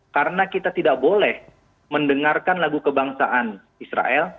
karena kita tidak boleh mendengarkan lagu kebangsaan israel